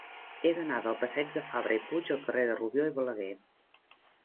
He d'anar del passeig de Fabra i Puig al carrer de Rubió i Balaguer.